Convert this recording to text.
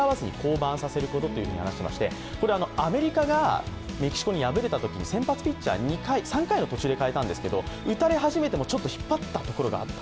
アメリカがメキシコに敗れたときに先発ピッチャー、途中で２回代えたんですが打たれ始めてもちょっと引っ張ったところがあった。